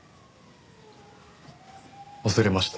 忘れました。